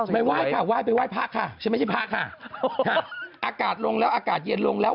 ไม่ว่ายค่ะว่ายไปว่ายพักค่ะฉันไม่ใช่พักค่ะอากาศลงแล้วอากาศเย็นลงแล้ว